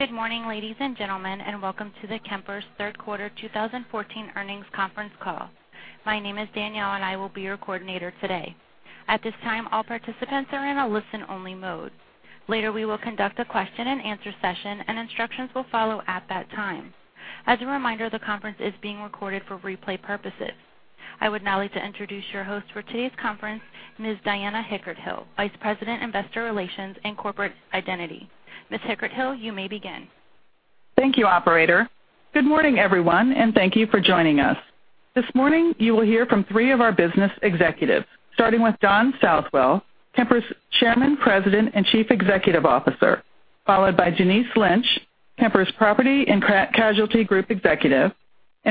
Good morning, ladies and gentlemen, and welcome to the Kemper's third quarter 2014 earnings conference call. My name is Danielle, and I will be your coordinator today. At this time, all participants are in a listen-only mode. Later, we will conduct a question-and-answer session, and instructions will follow at that time. As a reminder, the conference is being recorded for replay purposes. I would now like to introduce your host for today's conference, Ms. Diana Hickert-Hill, Vice President, Investor Relations and Corporate Identity. Ms. Hickert-Hill, you may begin. Thank you, operator. Good morning, everyone, thank you for joining us. This morning, you will hear from three of our business executives, starting with Don Southwell, Kemper's Chairman, President, and Chief Executive Officer, followed by Denise Lynch, Kemper's Property and Casualty Group Executive,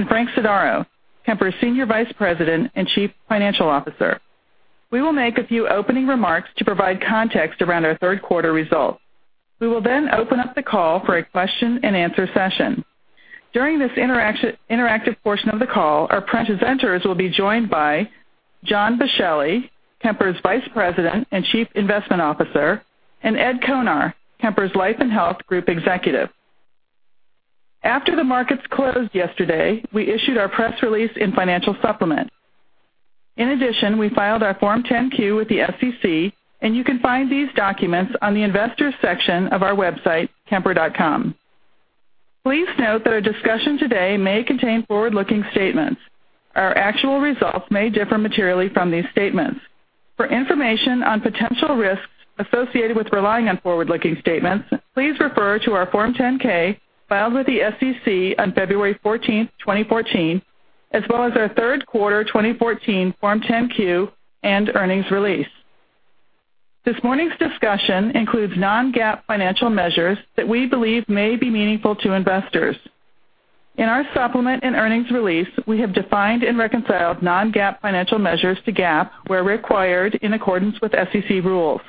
Frank Sodaro, Kemper's Senior Vice President and Chief Financial Officer. We will make a few opening remarks to provide context around our third quarter results. We will then open up the call for a question-and-answer session. During this interactive portion of the call, our presenters will be joined by John Boschelli, Kemper's Vice President and Chief Investment Officer, and Ed Konar, Kemper's Life and Health Group Executive. After the markets closed yesterday, we issued our press release and financial supplement. In addition, we filed our Form 10-Q with the SEC, you can find these documents on the investors section of our website, kemper.com. Please note that our discussion today may contain forward-looking statements. Our actual results may differ materially from these statements. For information on potential risks associated with relying on forward-looking statements, please refer to our Form 10-K filed with the SEC on February 14th, 2014, as well as our third quarter 2014 Form 10-Q and earnings release. This morning's discussion includes non-GAAP financial measures that we believe may be meaningful to investors. In our supplement and earnings release, we have defined and reconciled non-GAAP financial measures to GAAP where required in accordance with SEC rules.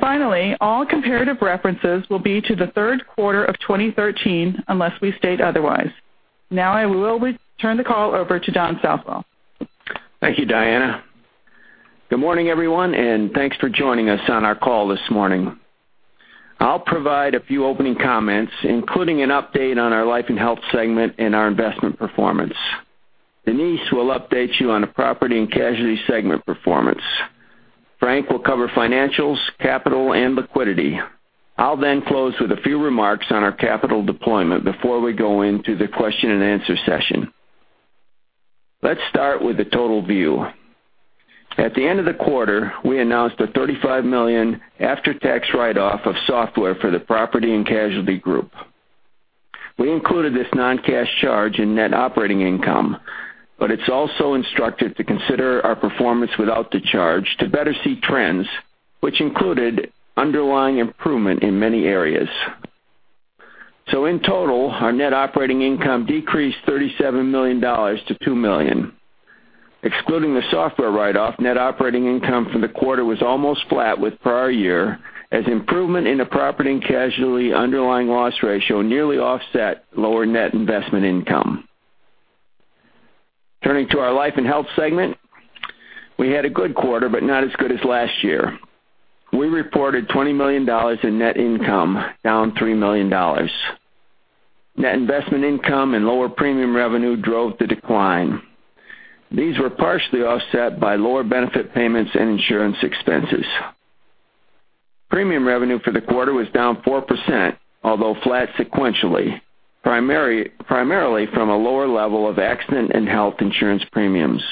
Finally, all comparative references will be to the third quarter of 2013 unless we state otherwise. Now, I will turn the call over to Don Southwell. Thank you, Diana. Good morning, everyone, thanks for joining us on our call this morning. I'll provide a few opening comments, including an update on our life and health segment and our investment performance. Denise will update you on the property and casualty segment performance. Frank will cover financials, capital, and liquidity. I'll then close with a few remarks on our capital deployment before we go into the question-and-answer session. Let's start with the total view. At the end of the quarter, we announced a $35 million after-tax write-off of software for the property and casualty group. We included this non-cash charge in net operating income, but it's also instructed to consider our performance without the charge to better see trends, which included underlying improvement in many areas. In total, our net operating income decreased $37 million to $2 million. Excluding the software write-off, net operating income from the quarter was almost flat with prior year, as improvement in the property and casualty underlying loss ratio nearly offset lower net investment income. Turning to our life and health segment, we had a good quarter, but not as good as last year. We reported $20 million in net income, down $3 million. Net investment income and lower premium revenue drove the decline. These were partially offset by lower benefit payments and insurance expenses. Premium revenue for the quarter was down 4%, although flat sequentially, primarily from a lower level of accident and health insurance premiums.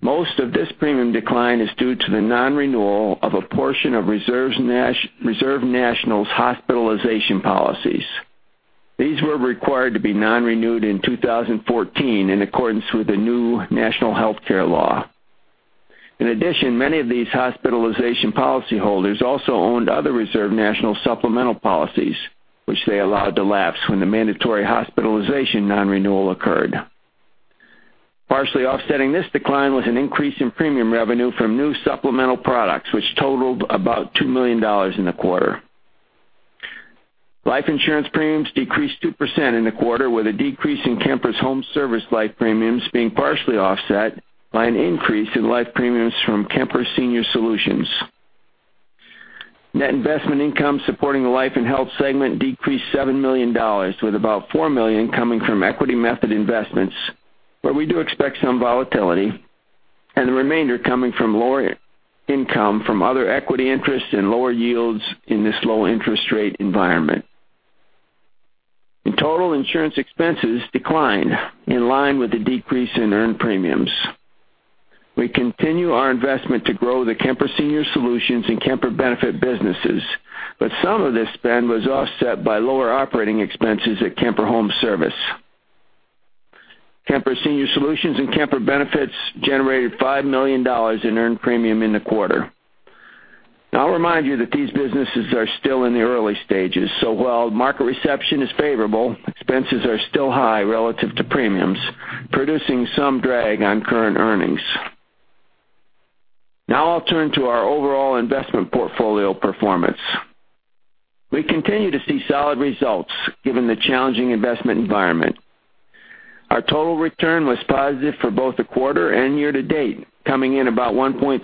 Most of this premium decline is due to the non-renewal of a portion of Reserve National's hospitalization policies. These were required to be non-renewed in 2014 in accordance with the new national healthcare law. Many of these hospitalization policyholders also owned other Reserve National supplemental policies, which they allowed to lapse when the mandatory hospitalization non-renewal occurred. Partially offsetting this decline was an increase in premium revenue from new supplemental products, which totaled about $2 million in the quarter. Life insurance premiums decreased 2% in the quarter, with a decrease in Kemper Home Service life premiums being partially offset by an increase in life premiums from Kemper Senior Solutions. Net investment income supporting the life & health segment decreased $7 million, with about $4 million coming from equity method investments, where we do expect some volatility, and the remainder coming from lower income from other equity interests and lower yields in this low-interest-rate environment. In total, insurance expenses declined in line with the decrease in earned premiums. We continue our investment to grow the Kemper Senior Solutions and Kemper Benefits businesses, but some of this spend was offset by lower operating expenses at Kemper Home Service. Kemper Senior Solutions and Kemper Benefits generated $5 million in earned premium in the quarter. I'll remind you that these businesses are still in the early stages, so while market reception is favorable, expenses are still high relative to premiums, producing some drag on current earnings. I'll turn to our overall investment portfolio performance. We continue to see solid results given the challenging investment environment. Our total return was positive for both the quarter and year to date, coming in about 1.3%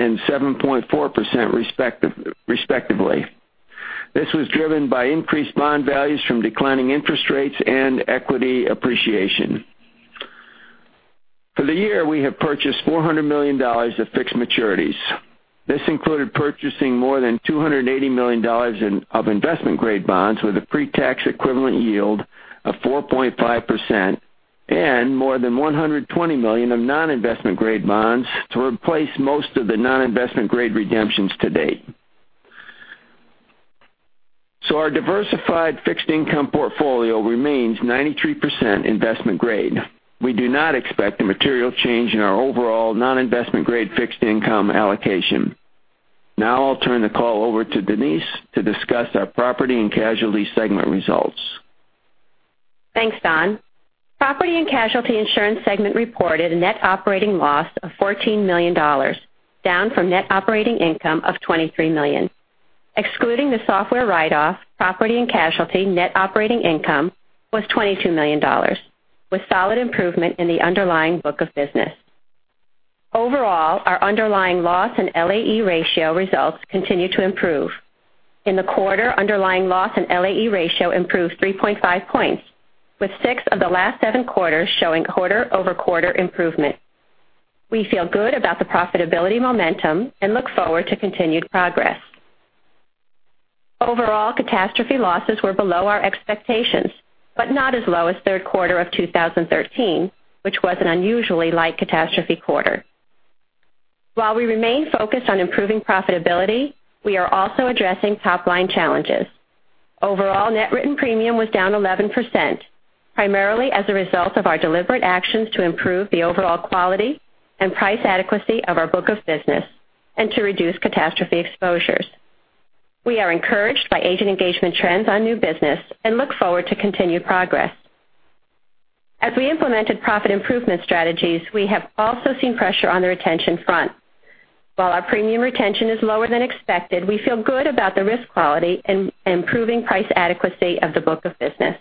and 7.4%, respectively. This was driven by increased bond values from declining interest rates and equity appreciation. For the year, we have purchased $400 million of fixed maturities. This included purchasing more than $280 million of investment-grade bonds with a pre-tax equivalent yield of 4.5% and more than $120 million of non-investment-grade bonds to replace most of the non-investment-grade redemptions to date. Our diversified fixed income portfolio remains 93% investment grade. I'll turn the call over to Denise to discuss our property and casualty segment results. Thanks, Don. Property and Casualty insurance segment reported a net operating loss of $14 million, down from net operating income of $23 million. Excluding the software write-off, Property and Casualty net operating income was $22 million, with solid improvement in the underlying book of business. Overall, our underlying Loss and LAE ratio results continue to improve. In the quarter, underlying Loss and LAE ratio improved 3.5 points, with six of the last seven quarters showing quarter-over-quarter improvement. We feel good about the profitability momentum and look forward to continued progress. Overall catastrophe losses were below our expectations, but not as low as third quarter of 2013, which was an unusually light catastrophe quarter. While we remain focused on improving profitability, we are also addressing top-line challenges. Overall net written premium was down 11%, primarily as a result of our deliberate actions to improve the overall quality and price adequacy of our book of business and to reduce catastrophe exposures. We are encouraged by agent engagement trends on new business and look forward to continued progress. As we implemented profit improvement strategies, we have also seen pressure on the retention front. While our premium retention is lower than expected, we feel good about the risk quality and improving price adequacy of the book of business.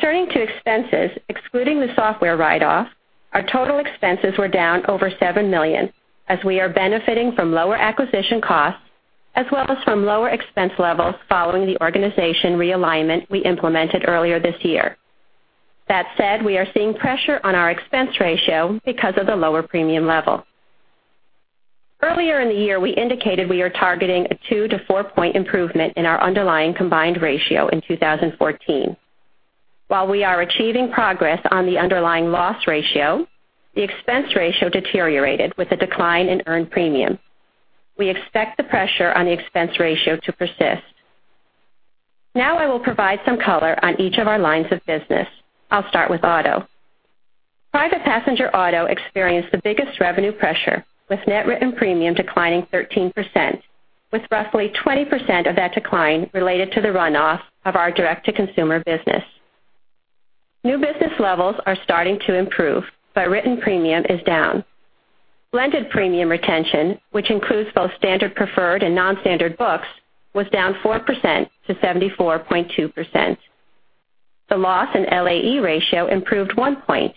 Turning to expenses, excluding the software write-off, our total expenses were down over $7 million as we are benefiting from lower acquisition costs as well as from lower expense levels following the organization realignment we implemented earlier this year. That said, we are seeing pressure on our expense ratio because of the lower premium level. Earlier in the year, we indicated we are targeting a two to four point improvement in our underlying combined ratio in 2014. While we are achieving progress on the underlying Loss ratio, the expense ratio deteriorated with a decline in earned premium. We expect the pressure on the expense ratio to persist. Now I will provide some color on each of our lines of business. I'll start with auto. Private passenger auto experienced the biggest revenue pressure, with net written premium declining 13%, with roughly 20% of that decline related to the run-off of our direct-to-consumer business. New business levels are starting to improve, but written premium is down. Blended premium retention, which includes both standard preferred and non-standard books, was down 4% to 74.2%. The Loss and LAE ratio improved one point,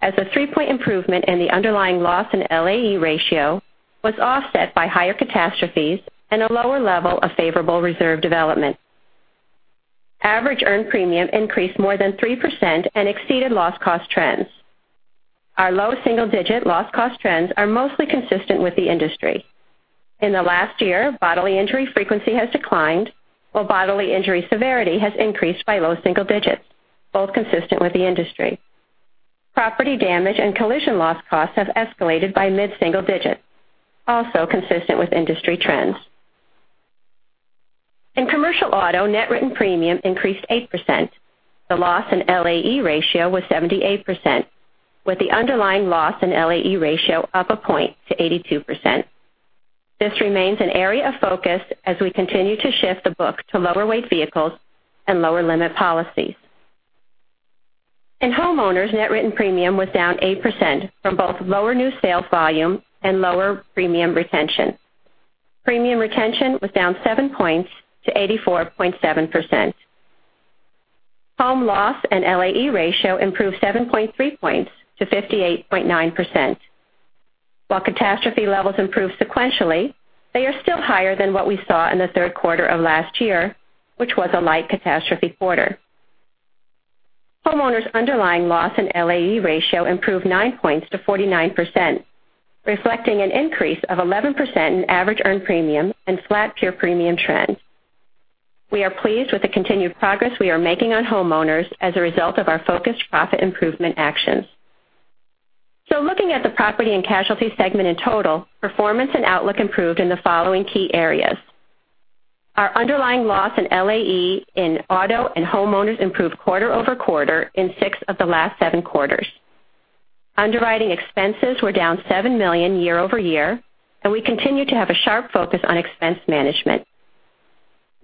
as a three-point improvement in the underlying Loss and LAE ratio was offset by higher catastrophes and a lower level of favorable reserve development. Average earned premium increased more than 3% and exceeded loss cost trends. Our low single-digit loss cost trends are mostly consistent with the industry. In the last year, bodily injury frequency has declined, while bodily injury severity has increased by low single digits, both consistent with the industry. Property damage and collision loss costs have escalated by mid-single digits, also consistent with industry trends. In commercial auto, net written premium increased 8%. The Loss and LAE ratio was 78%, with the underlying Loss and LAE ratio up a point to 82%. This remains an area of focus as we continue to shift the book to lower weight vehicles and lower limit policies. In homeowners, net written premium was down 8% from both lower new sales volume and lower premium retention. Premium retention was down seven points to 84.7%. Home loss and LAE ratio improved 7.3 points to 58.9%. While catastrophe levels improved sequentially, they are still higher than what we saw in the third quarter of last year, which was a light catastrophe quarter. Homeowners' underlying loss and LAE ratio improved nine points to 49%, reflecting an increase of 11% in average earned premium and flat pure premium trends. We are pleased with the continued progress we are making on homeowners as a result of our focused profit improvement actions. Looking at the Property and Casualty segment in total, performance and outlook improved in the following key areas. Our underlying loss in LAE in auto and homeowners improved quarter-over-quarter in six of the last seven quarters. Underwriting expenses were down $7 million year-over-year, we continue to have a sharp focus on expense management.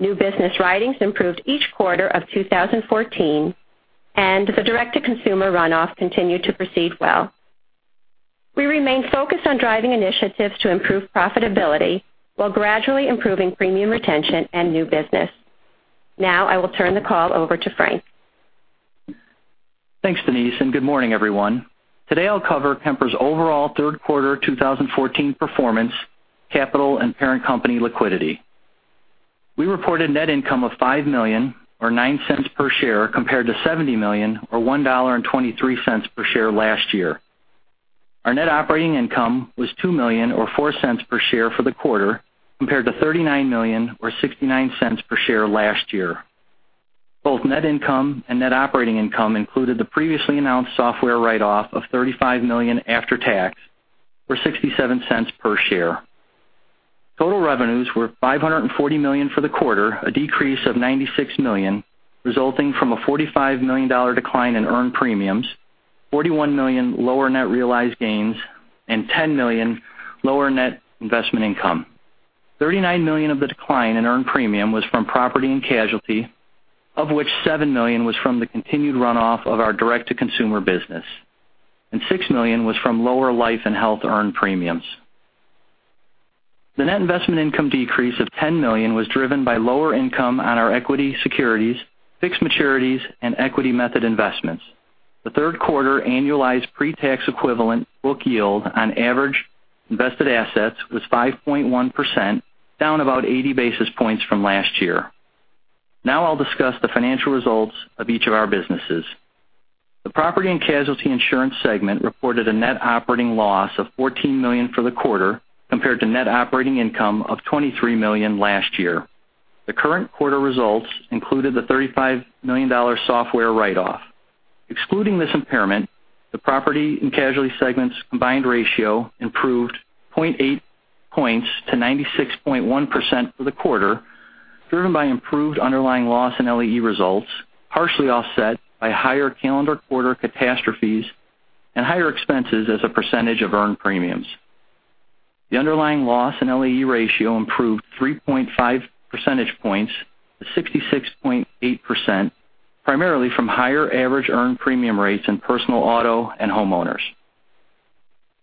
New business writings improved each quarter of 2014, the direct-to-consumer run-off continued to proceed well. We remain focused on driving initiatives to improve profitability while gradually improving premium retention and new business. I will turn the call over to Frank. Thanks, Denise. Good morning, everyone. Today, I'll cover Kemper's overall Q3 2014 performance, capital, and parent company liquidity. We reported net income of $5 million, or $0.09 per share, compared to $70 million, or $1.23 per share last year. Our net operating income was $2 million, or $0.04 per share for the quarter, compared to $39 million, or $0.69 per share last year. Both net income and net operating income included the previously announced software write-off of $35 million after tax, or $0.67 per share. Total revenues were $540 million for the quarter, a decrease of $96 million, resulting from a $45 million decline in earned premiums, $41 million lower net realized gains, and $10 million lower net investment income. $39 million of the decline in earned premium was from Property and Casualty, of which $7 million was from the continued runoff of our direct-to-consumer business, $6 million was from lower life and health earned premiums. The net investment income decrease of $10 million was driven by lower income on our equity securities, fixed maturities, and equity method investments. The Q3 annualized pre-tax equivalent book yield on average invested assets was 5.1%, down about 80 basis points from last year. I'll discuss the financial results of each of our businesses. The Property and Casualty insurance segment reported a net operating loss of $14 million for the quarter compared to net operating income of $23 million last year. The current quarter results included the $35 million software write-off. Excluding this impairment, the Property and Casualty segment's combined ratio improved 0.8 points to 96.1% for the quarter, driven by improved underlying Loss and LAE results, partially offset by higher calendar quarter catastrophes and higher expenses as a percentage of earned premiums. The underlying Loss and LAE ratio improved 3.5 percentage points to 66.8%, primarily from higher average earned premium rates in personal auto and homeowners.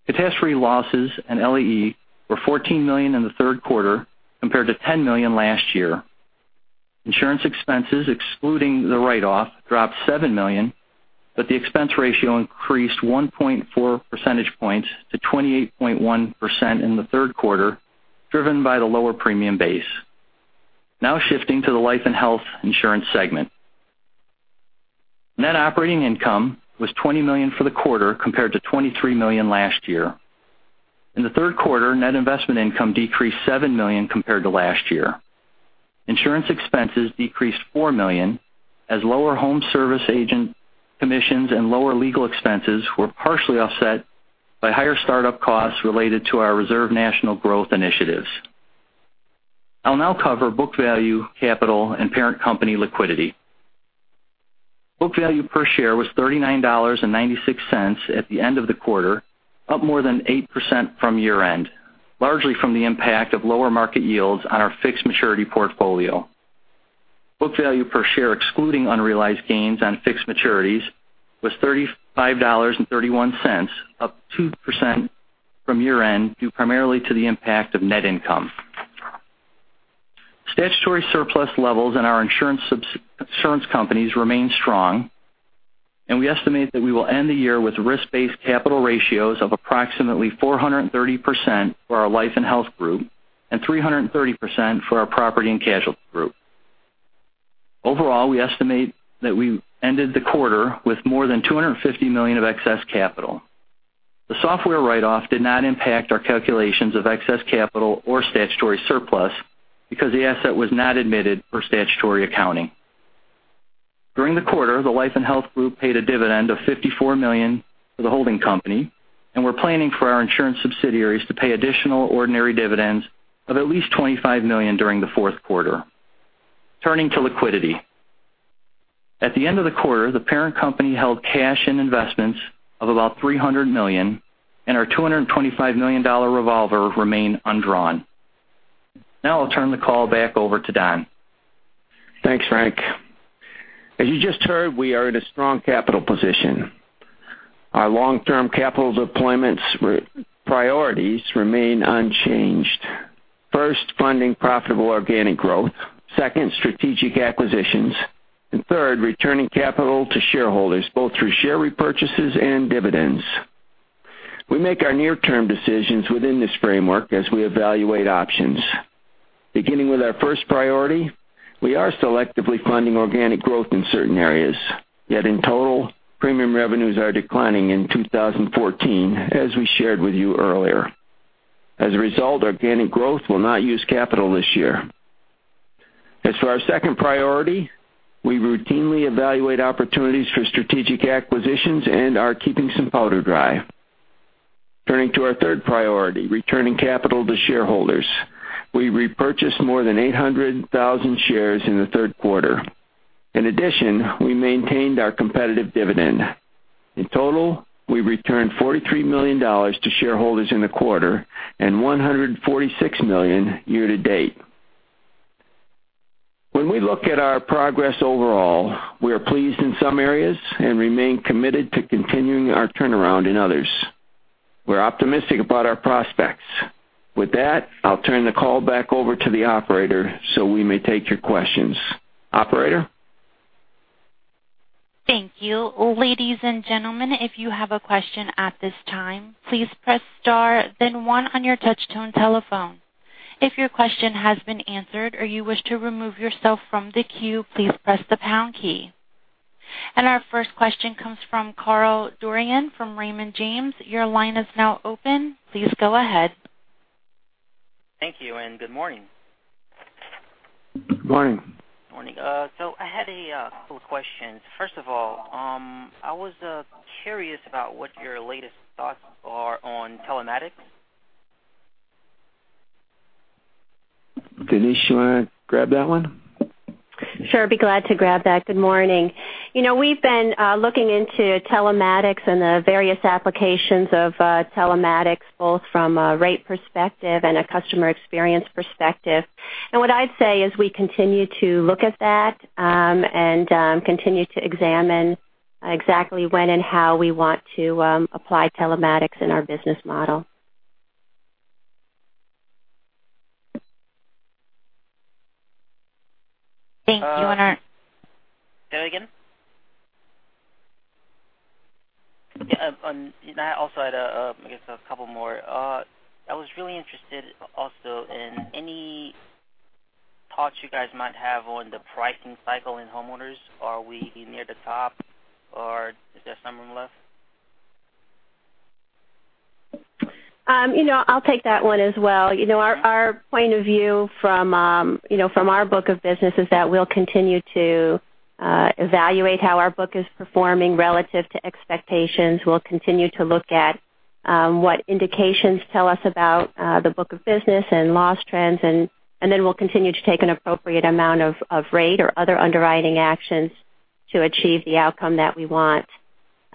Catastrophe losses and LAE were $14 million in the third quarter compared to $10 million last year. Insurance expenses, excluding the write-off, dropped $7 million, but the expense ratio increased 1.4 percentage points to 28.1% in the third quarter, driven by the lower premium base. Shifting to the Life and Health insurance segment. Net operating income was $20 million for the quarter compared to $23 million last year. In the third quarter, net investment income decreased $7 million compared to last year. Insurance expenses decreased $4 million as lower home service agent commissions and lower legal expenses were partially offset by higher startup costs related to our Reserve National growth initiatives. I will now cover book value, capital, and parent company liquidity. Book value per share was $39.96 at the end of the quarter, up more than 8% from year-end, largely from the impact of lower market yields on our fixed maturity portfolio. Book value per share excluding unrealized gains on fixed maturities was $35.31, up 2% from year-end, due primarily to the impact of net income. Statutory surplus levels in our insurance companies remain strong, and we estimate that we will end the year with risk-based capital ratios of approximately 430% for our Life and Health group and 330% for our Property and Casualty group. Overall, we estimate that we ended the quarter with more than $250 million of excess capital. The software write-off did not impact our calculations of excess capital or statutory surplus because the asset was not admitted for statutory accounting. During the quarter, the Life and Health group paid a dividend of $54 million to the holding company and we're planning for our insurance subsidiaries to pay additional ordinary dividends of at least $25 million during the fourth quarter. Turning to liquidity. At the end of the quarter, the parent company held cash and investments of about $300 million and our $225 million revolver remained undrawn. I will now turn the call back over to Don. Thanks, Frank. As you just heard, we are at a strong capital position. Our long-term capital deployment's priorities remain unchanged. First, funding profitable organic growth, second, strategic acquisitions, and third, returning capital to shareholders, both through share repurchases and dividends. We make our near-term decisions within this framework as we evaluate options. Beginning with our first priority, we are selectively funding organic growth in certain areas, yet in total, premium revenues are declining in 2014, as we shared with you earlier. As a result, organic growth will not use capital this year. As for our second priority, we routinely evaluate opportunities for strategic acquisitions and are keeping some powder dry. Turning to our third priority, returning capital to shareholders. We repurchased more than 800,000 shares in the third quarter. In addition, we maintained our competitive dividend. In total, we returned $43 million to shareholders in the quarter and $146 million year to date. When we look at our progress overall, we are pleased in some areas and remain committed to continuing our turnaround in others. We're optimistic about our prospects. With that, I'll turn the call back over to the operator so we may take your questions. Operator? Thank you. Ladies and gentlemen, if you have a question at this time, please press star then one on your touch-tone telephone. If your question has been answered or you wish to remove yourself from the queue, please press the pound key. Our first question comes from Charles Dargan from Raymond James. Your line is now open. Please go ahead. Thank you and good morning. Good morning. Morning. I had a couple questions. First of all, I was curious about what your latest thoughts are on telematics. Denise, you want to grab that one? Sure. I'd be glad to grab that. Good morning. We've been looking into telematics and the various applications of telematics, both from a rate perspective and a customer experience perspective. What I'd say is we continue to look at that, and continue to examine exactly when and how we want to apply telematics in our business model. Say that again? Yeah. I also had, I guess, a couple more. I was really interested also in any thoughts you guys might have on the pricing cycle in homeowners. Are we near the top or is there some room left? I'll take that one as well. Our point of view from our book of business is that we'll continue to evaluate how our book is performing relative to expectations. We'll continue to look at what indications tell us about the book of business and loss trends, then we'll continue to take an appropriate amount of rate or other underwriting actions to achieve the outcome that we want.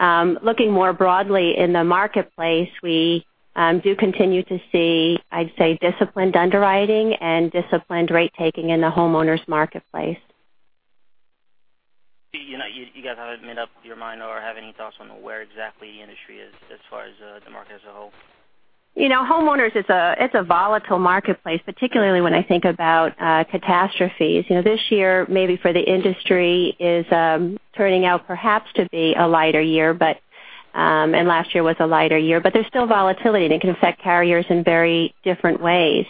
Looking more broadly in the marketplace, we do continue to see, I'd say, disciplined underwriting and disciplined rate-taking in the homeowners' marketplace. You guys haven't made up your mind or have any thoughts on where exactly the industry is as far as the market as a whole? Homeowners, it's a volatile marketplace, particularly when I think about catastrophes. This year maybe for the industry is turning out perhaps to be a lighter year, and last year was a lighter year, but there's still volatility, and it can affect carriers in very different ways.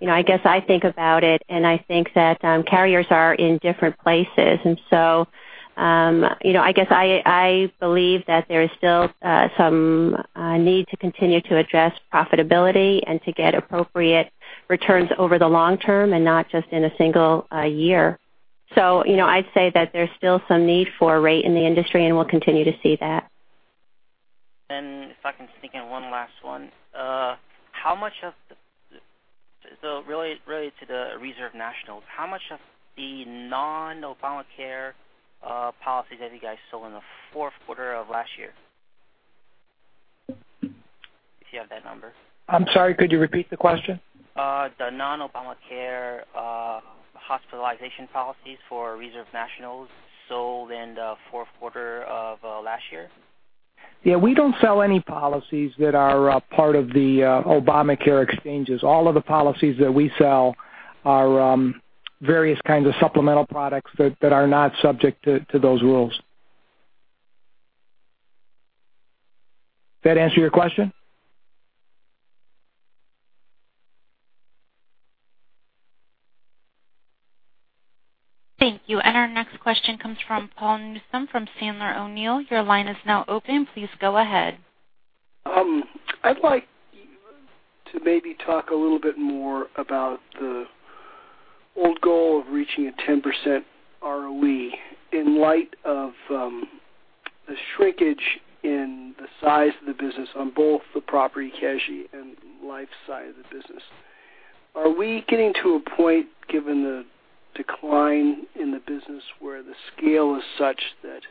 I guess I think about it and I think that carriers are in different places. So, I guess I believe that there is still some need to continue to address profitability and to get appropriate returns over the long term and not just in a single year. I'd say that there's still some need for rate in the industry, and we'll continue to see that. If I can sneak in one last one. Related to the Reserve National, how much of the non-Obamacare policies have you guys sold in the fourth quarter of last year? If you have that number. I'm sorry, could you repeat the question? The non-Obamacare hospitalization policies for Reserve Nationals sold in the fourth quarter of last year? Yeah, we don't sell any policies that are part of the Obamacare exchanges. All of the policies that we sell are various kinds of supplemental products that are not subject to those rules. Does that answer your question? Thank you. Our next question comes from Paul Newsome from Sandler O'Neill. Your line is now open. Please go ahead. I'd like to maybe talk a little bit more about the old goal of reaching a 10% ROE in light of the shrinkage in the size of the business on both the property casualty and life side of the business. Are we getting to a point, given the decline in the business, where the scale is such that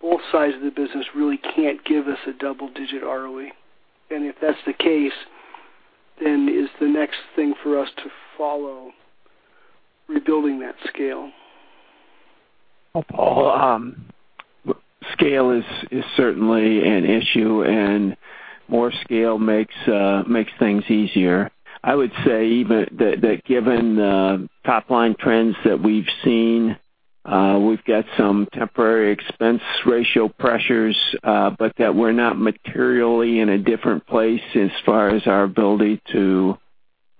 both sides of the business really can't give us a double-digit ROE? If that's the case, is the next thing for us to follow rebuilding that scale? Well, Paul, scale is certainly an issue. More scale makes things easier. I would say that given the top-line trends that we've seen, we've got some temporary expense ratio pressures, that we're not materially in a different place as far as our ability to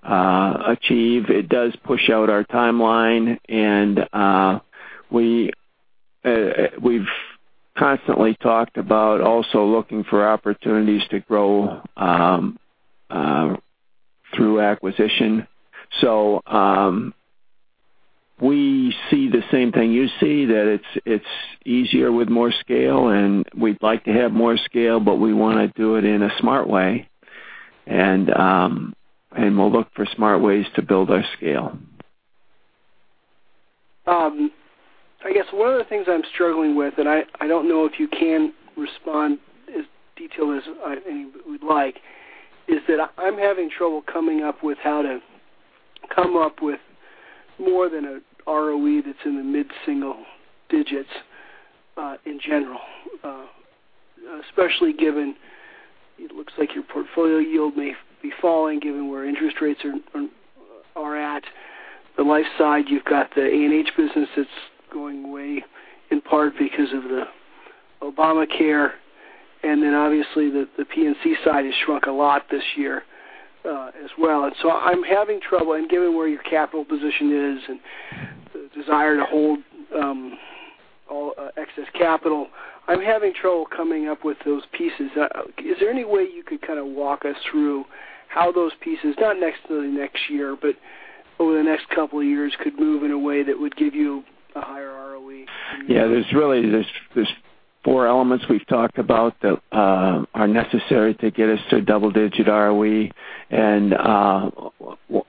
achieve. It does push out our timeline. We've constantly talked about also looking for opportunities to grow through acquisition. We see the same thing you see, that it's easier with more scale. We'd like to have more scale, we want to do it in a smart way. We'll look for smart ways to build our scale. I guess one of the things I'm struggling with, I don't know if you can respond as detailed as I would like, is that I'm having trouble coming up with how to come up with more than an ROE that's in the mid-single digits in general. Especially given it looks like your portfolio yield may be falling given where interest rates are at. The life side, you've got the A&H business that's going away in part because of the Obamacare. Obviously the P&C side has shrunk a lot this year as well. I'm having trouble, given where your capital position is, the desire to hold all excess capital, I'm having trouble coming up with those pieces. Is there any way you could kind of walk us through how those pieces, not necessarily next year, but over the next couple of years, could move in a way that would give you a higher ROE? Yeah. There's four elements we've talked about that are necessary to get us to a double-digit ROE.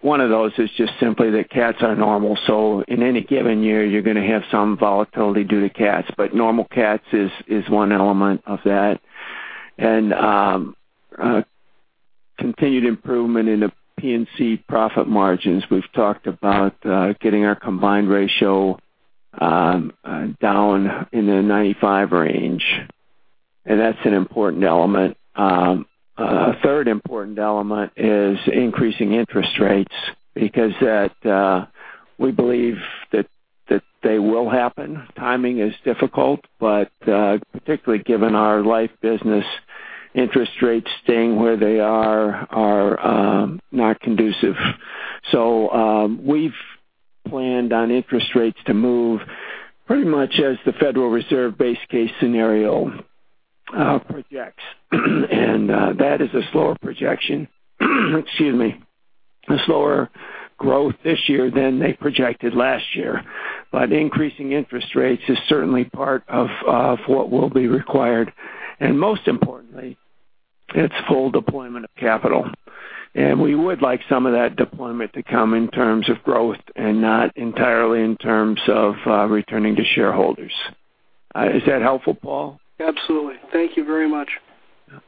One of those is just simply that CATs are normal. In any given year, you're going to have some volatility due to CATs. Normal CATs is one element of that. Continued improvement in the P&C profit margins. We've talked about getting our combined ratio down in the 95 range, and that's an important element. A third important element is increasing interest rates because we believe that they will happen. Timing is difficult, but particularly given our life business interest rates staying where they are not conducive. We've planned on interest rates to move pretty much as the Federal Reserve base case scenario projects, and that is a slower projection. Excuse me. A slower growth this year than they projected last year. Increasing interest rates is certainly part of what will be required. Most importantly, it's full deployment of capital. We would like some of that deployment to come in terms of growth and not entirely in terms of returning to shareholders. Is that helpful, Paul? Absolutely. Thank you very much. Yeah.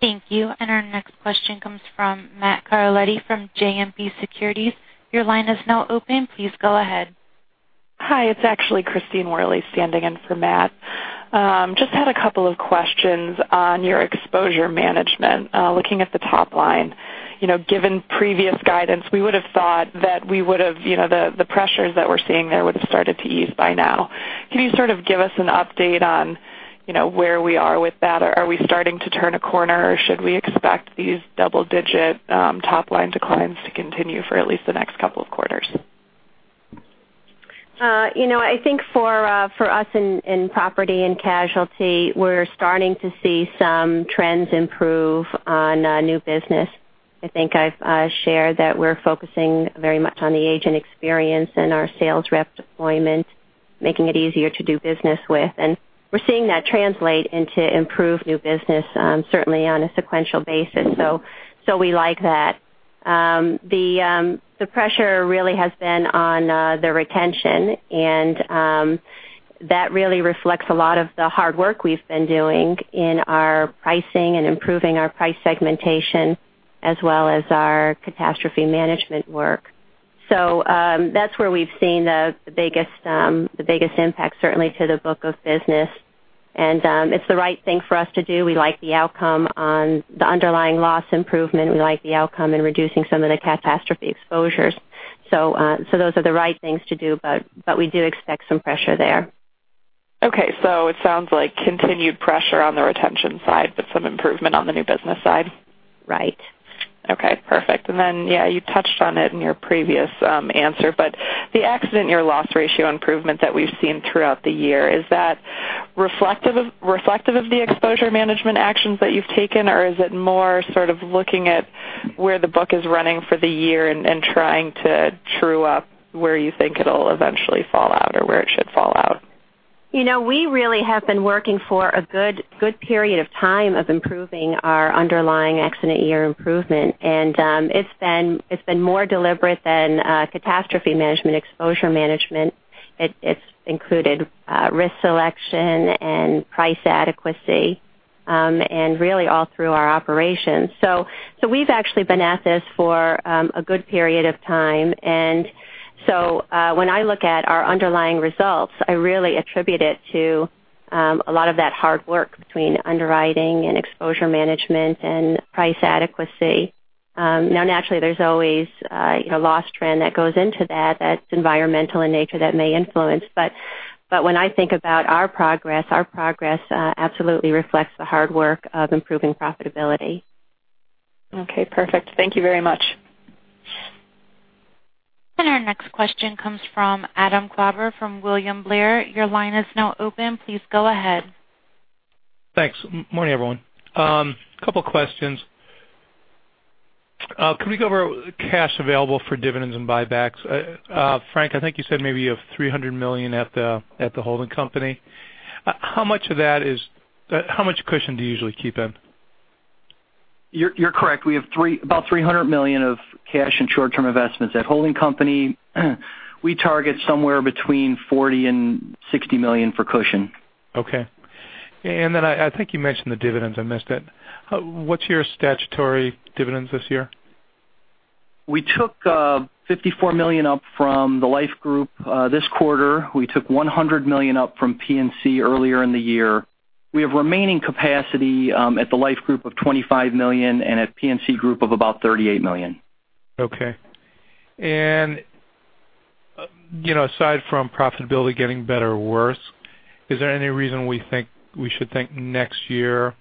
Thank you. Our next question comes from Matthew Carletti from JMP Securities. Your line is now open. Please go ahead. Hi, it's actually Christine Worley standing in for Matt. Just had a couple of questions on your exposure management. Looking at the top line. Given previous guidance, we would've thought that the pressures that we're seeing there would've started to ease by now. Can you sort of give us an update on where we are with that? Are we starting to turn a corner, or should we expect these double-digit top-line declines to continue for at least the next couple of quarters? I think for us in property and casualty, we're starting to see some trends improve on new business. I think I've shared that we're focusing very much on the agent experience and our sales rep deployment, making it easier to do business with. We're seeing that translate into improved new business, certainly on a sequential basis. We like that. The pressure really has been on the retention, and that really reflects a lot of the hard work we've been doing in our pricing and improving our price segmentation as well as our catastrophe management work. That's where we've seen the biggest impact, certainly to the book of business. It's the right thing for us to do. We like the outcome on the underlying loss improvement. We like the outcome in reducing some of the catastrophe exposures. Those are the right things to do, but we do expect some pressure there. Okay, it sounds like continued pressure on the retention side, but some improvement on the new business side. Right. Okay, perfect. Yeah, you touched on it in your previous answer, but the accident year loss ratio improvement that we've seen throughout the year, is that reflective of the exposure management actions that you've taken, or is it more sort of looking at where the book is running for the year and trying to true up where you think it'll eventually fall out or where it should fall out? We really have been working for a good period of time of improving our underlying accident year improvement. It's been more deliberate than catastrophe management, exposure management. It's included risk selection and price adequacy, and really all through our operations. We've actually been at this for a good period of time, when I look at our underlying results, I really attribute it to a lot of that hard work between underwriting and exposure management and price adequacy. Naturally, there's always a loss trend that goes into that. That's environmental in nature that may influence. When I think about our progress, our progress absolutely reflects the hard work of improving profitability. Okay, perfect. Thank you very much. Our next question comes from Adam Klauber from William Blair. Your line is now open. Please go ahead. Thanks. Morning, everyone. Couple questions. Could we go over cash available for dividends and buybacks? Frank, I think you said maybe you have $300 million at the holding company. How much cushion do you usually keep in? You're correct. We have about $300 million of cash and short-term investments at holding company. We target somewhere between $40 million and $60 million for cushion. Okay. I think you mentioned the dividends. I missed it. What's your statutory dividends this year? We took $54 million up from the life group this quarter. We took $100 million up from P&C earlier in the year. We have remaining capacity at the life group of $25 million and at P&C group of about $38 million. Okay. aside from profitability getting better or worse, is there any reason we should think next year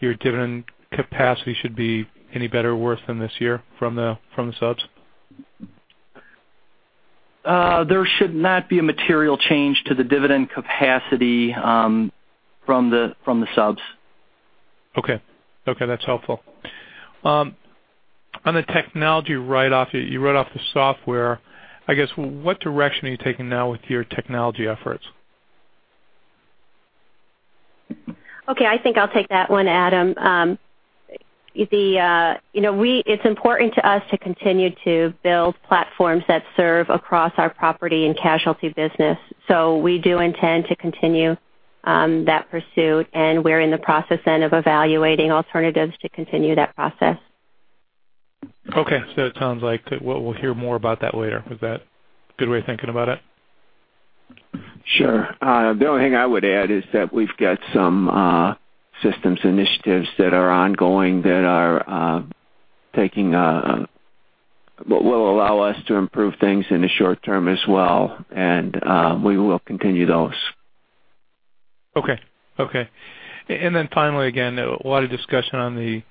your dividend capacity should be any better or worse than this year from the subs? There should not be a material change to the dividend capacity from the subs. Okay. That's helpful. On the technology write-off, you wrote off the software. I guess, what direction are you taking now with your technology efforts? Okay. I think I'll take that one, Adam. It's important to us to continue to build platforms that serve across our property and casualty business. We do intend to continue that pursuit, and we're in the process then of evaluating alternatives to continue that process. Okay. It sounds like we'll hear more about that later. Is that a good way of thinking about it? Sure. The only thing I would add is that we've got some systems initiatives that are ongoing, that will allow us to improve things in the short term as well, and we will continue those. Okay. Then finally, again, a lot of discussion on the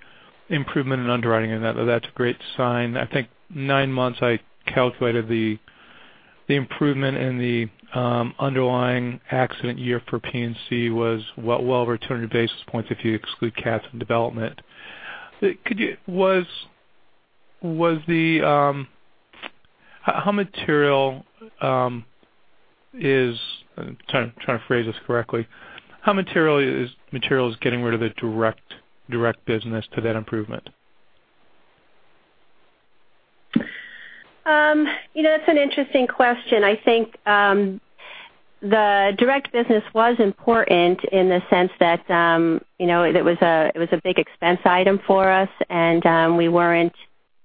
improvement in underwriting, and that's a great sign. I think nine months, I calculated the improvement in the underlying accident year for P&C was well over 200 basis points if you exclude CATs and development. I'm trying to phrase this correctly. How material is getting rid of the direct business to that improvement? That's an interesting question. I think the direct business was important in the sense that it was a big expense item for us, and we weren't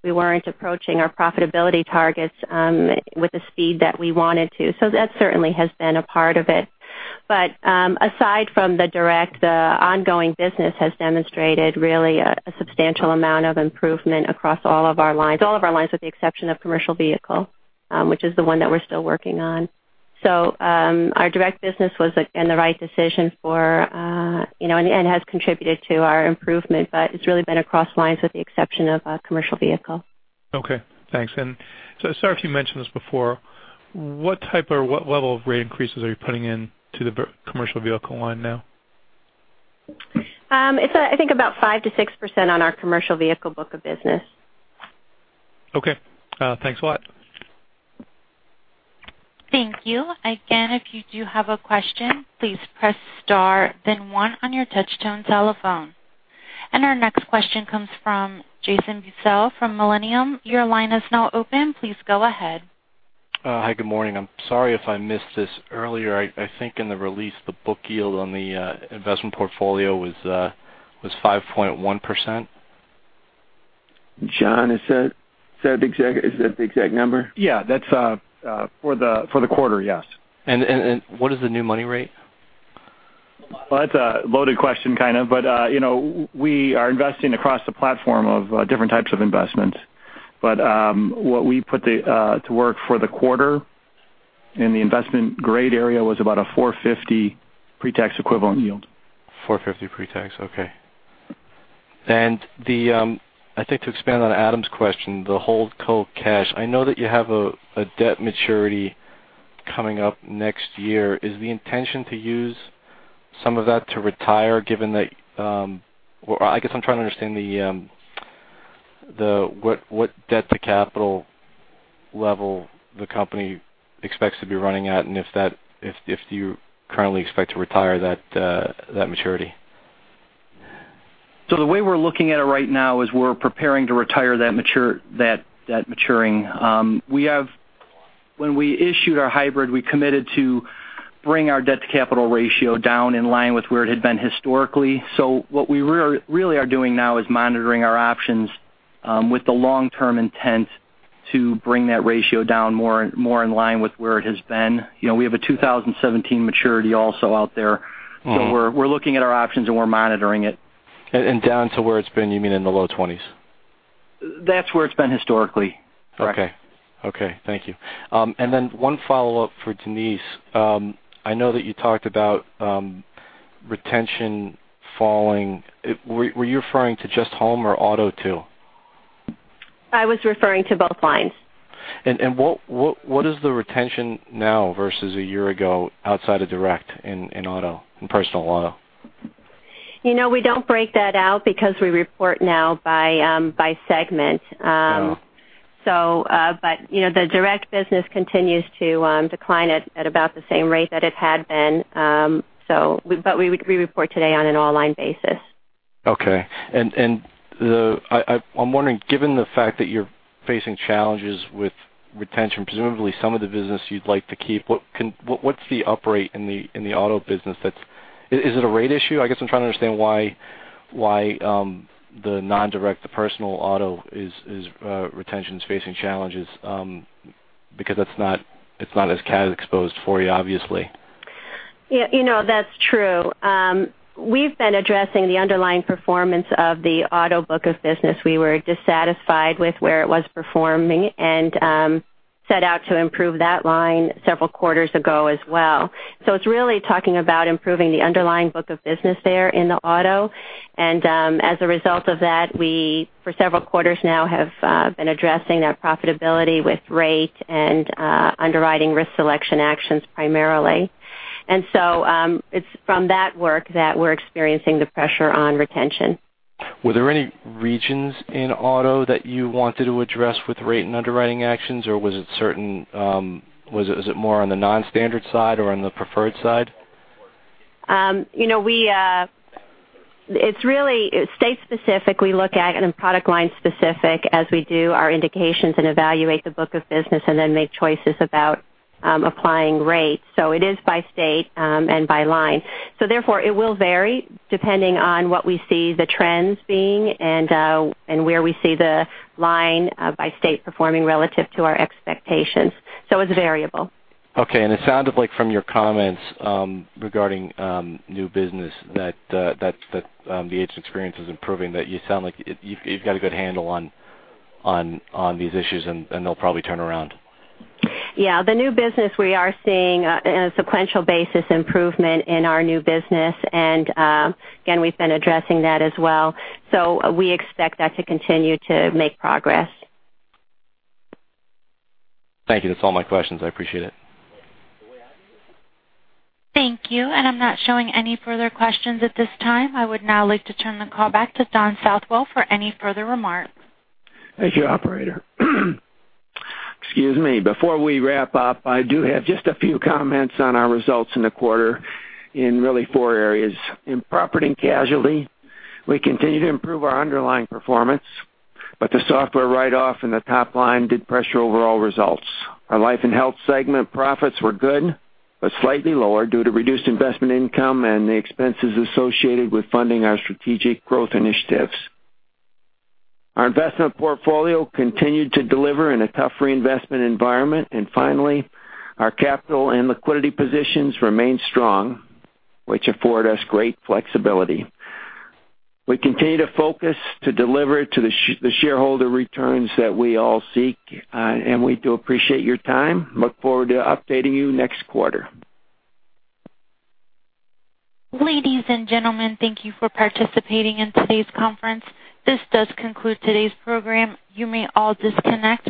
approaching our profitability targets with the speed that we wanted to. That certainly has been a part of it. Aside from the direct, the ongoing business has demonstrated really a substantial amount of improvement across all of our lines, with the exception of commercial vehicle, which is the one that we're still working on. Our direct business was the right decision and has contributed to our improvement, but it's really been across lines with the exception of commercial vehicle. Okay, thanks. Sorry if you mentioned this before, what type or what level of rate increases are you putting in to the commercial vehicle line now? It's, I think about 5%-6% on our commercial vehicle book of business. Okay. Thanks a lot. Thank you. Again, if you do have a question, please press star then one on your touch-tone telephone. Our next question comes from Jason Bussell from Millennium. Your line is now open. Please go ahead. Hi. Good morning. I'm sorry if I missed this earlier. I think in the release, the book yield on the investment portfolio was 5.1%. John, is that the exact number? Yeah. That's for the quarter, yes. What is the new money rate? That's a loaded question, kind of. We are investing across the platform of different types of investments. What we put to work for the quarter in the investment-grade area was about a 450 pre-tax equivalent yield. 450 pre-tax. I think to expand on Adam's question, the holdco cash. I know that you have a debt maturity coming up next year. Is the intention to use some of that to retire, I guess I'm trying to understand what debt to capital level the company expects to be running at, and if you currently expect to retire that maturity. The way we're looking at it right now is we're preparing to retire that maturing. When we issued our hybrid, we committed to bring our debt to capital ratio down in line with where it had been historically. What we really are doing now is monitoring our options with the long-term intent to bring that ratio down more in line with where it has been. We have a 2017 maturity also out there. We're looking at our options, and we're monitoring it. Down to where it's been, you mean in the low twenties? That's where it's been historically. Correct. Okay. Thank you. Then one follow-up for Denise. I know that you talked about retention falling. Were you referring to just home or auto, too? I was referring to both lines. What is the retention now versus a year ago outside of direct in personal auto? We don't break that out because we report now by segment. Oh. The direct business continues to decline at about the same rate that it had been. We report today on an online basis. Okay. I'm wondering, given the fact that you're facing challenges with retention, presumably some of the business you'd like to keep, what's the operate in the auto business? Is it a rate issue? I guess I'm trying to understand why the non-direct, the personal auto retention is facing challenges, because it's not as cat exposed for you, obviously. Yeah. That's true. We've been addressing the underlying performance of the auto book of business. We were dissatisfied with where it was performing and set out to improve that line several quarters ago as well. It's really talking about improving the underlying book of business there in the auto, and as a result of that, we, for several quarters now, have been addressing that profitability with rate and underwriting risk selection actions primarily. It's from that work that we're experiencing the pressure on retention. Were there any regions in auto that you wanted to address with rate and underwriting actions, or was it more on the non-standard side or on the preferred side? It's state specific. We look at it, product line specific as we do our indications and evaluate the book of business and then make choices about applying rates. It is by state and by line. Therefore, it will vary depending on what we see the trends being and where we see the line by state performing relative to our expectations. It's variable. Okay. It sounded like from your comments regarding new business, that the agent experience is improving, that you sound like you've got a good handle on these issues, and they'll probably turn around. Yeah. The new business we are seeing a sequential basis improvement in our new business. Again, we've been addressing that as well. We expect that to continue to make progress. Thank you. That's all my questions. I appreciate it. Thank you. I'm not showing any further questions at this time. I would now like to turn the call back to Don Southwell for any further remarks. Thank you, operator. Excuse me. Before we wrap up, I do have just a few comments on our results in the quarter in really four areas. In Property and Casualty, we continue to improve our underlying performance, but the software write-off and the top line did pressure overall results. Our life and health segment profits were good, but slightly lower due to reduced investment income and the expenses associated with funding our strategic growth initiatives. Our investment portfolio continued to deliver in a tough reinvestment environment. Finally, our capital and liquidity positions remain strong, which afford us great flexibility. We continue to focus to deliver to the shareholder returns that we all seek. We do appreciate your time. Look forward to updating you next quarter. Ladies and gentlemen, thank you for participating in today's conference. This does conclude today's program. You may all disconnect.